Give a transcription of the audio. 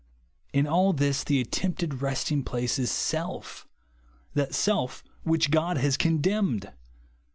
In all this the attempted resting place is self, — that self which God has condemned.